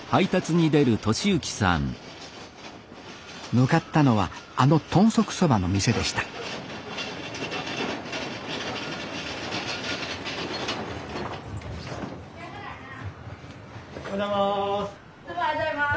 向かったのはあの豚足そばの店でしたおはようございます。